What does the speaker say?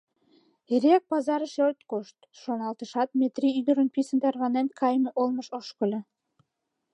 Эреак пазарыш от кошт», — шоналтышат, Метрий ӱдырын писын тарванен кайыме олмыш ошкыльо.